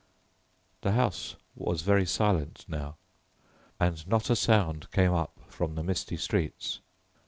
The house was very silent now, and not a sound came up from the misty streets.